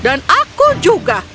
dan aku juga